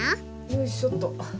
よいしょっと。